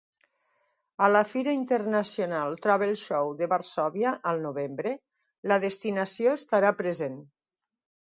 A la Fira Internacional Travel Show de Varsòvia al novembre, la destinació estarà present.